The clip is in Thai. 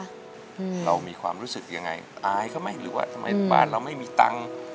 อืมเรามีความรู้สึกยังไงอายเขาไหมหรือว่าทำไมบ้านเราไม่มีตังค์